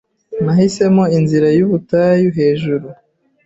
Nahisemo inzira y'ubutayu hejuru